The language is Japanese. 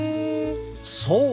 そう。